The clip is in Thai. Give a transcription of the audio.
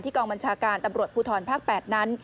กองบัญชาการตำรวจภูทรภาค๘นั้น